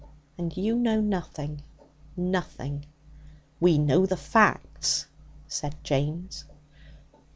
And you know nothing nothing.' 'We know the facts,' said James.